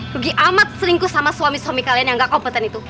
pergi amat seringkus sama suami suami kalian yang gak kompeten itu